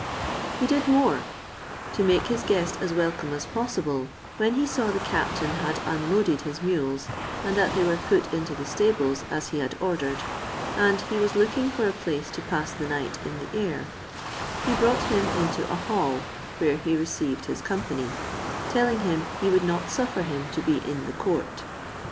He did more. To make his guest as welcome as possible, when he saw the captain had unloaded his mules, and that they were put into the stables as he had ordered, and he was looking for a place to pass the night in the air, he brought him into the hall where he received his company, telling him he would not suffer him to be in the court.